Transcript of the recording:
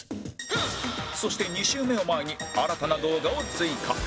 そして２周目を前に新たな動画を追加